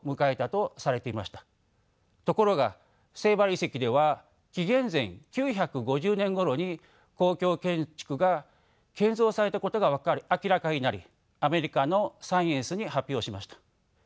ところがセイバル遺跡では紀元前９５０年ごろに公共建築が建造されたことが明らかになりアメリカの「サイエンス」に発表しました。